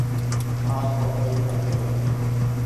พอกดลิงก์ไปดู